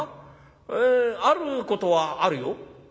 えあることはあるよ」。